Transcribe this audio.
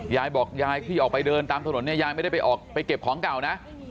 ยายบอกยายที่ออกไปเดินตามถนนเนี่ยยายไม่ได้ไปออกไปเก็บของเก่านะ